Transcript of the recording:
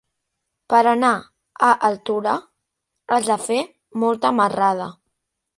Per anar a Altura has de fer molta marrada.